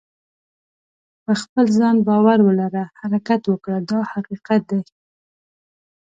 په خپل ځان باور ولره حرکت وکړه دا حقیقت دی.